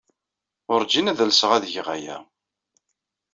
Wurǧin ad alseɣ ad geɣ aya!